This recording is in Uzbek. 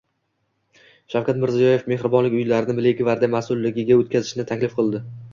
Shavkat Mirziyoyev mehribonlik uylarini Milliy gvardiya mas’ulligiga o‘tkazishni taklif qildi